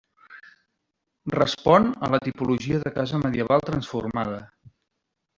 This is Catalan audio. Respon a la tipologia de casa medieval transformada.